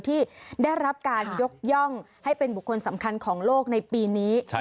ที่ได้รับการยกย่องให้เป็นบุคคลสำคัญของโลกในปีนี้